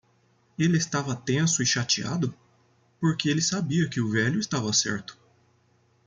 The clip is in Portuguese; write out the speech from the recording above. Ele estava tenso e chateado? porque ele sabia que o velho estava certo.